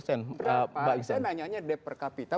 saya nanyanya dep per kapita